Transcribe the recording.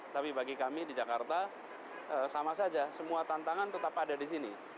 tapi bagi kami di jakarta sama saja semua tantangan tetap ada di sini